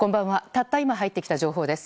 たった今入ってきた情報です。